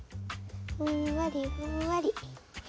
ふんわりふんわり。